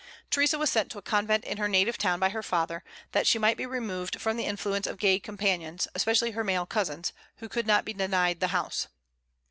Theresa was sent to a convent in her native town by her father, that she might be removed from the influence of gay companions, especially her male cousins, who could not be denied the house.